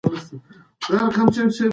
زده کړه ښځه د کورنۍ مالي فشار کموي.